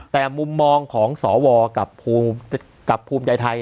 แต่มุมมองของสวกับภูมิใจไทย